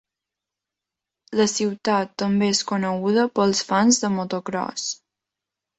La ciutat també és coneguda pels fans de motocròs.